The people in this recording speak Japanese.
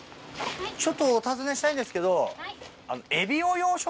ちょっとお尋ねしたいんですけど。